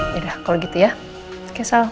yaudah kalau gitu ya oke sal